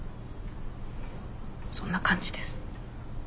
そんな感じです。